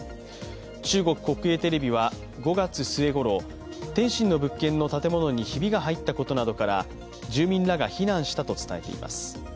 中国国営テレビは５月末ごろ、天津の物件の建物にひびが入ったことなどから住民らが避難したと伝えています。